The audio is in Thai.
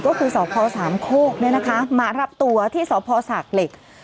ก็คือสพสามโคกมารับตัวที่สพศากเหล็ก